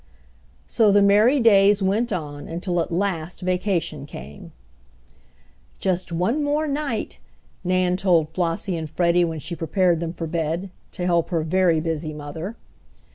So the merry days went on until at last vacation came! "Just one more night," Nan told Flossie and Freddie when she prepared them for bed, to help her very busy mother.